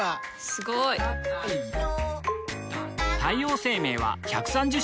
すごい！太陽生命は１３０周年